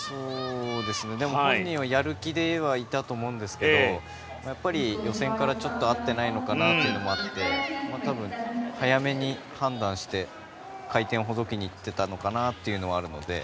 でも、本人はやる気でいたと思いますが予選からちょっと合ってないかなというのもあって多分、早めに判断して回転をほどきにいっていたのかなというのはあるので。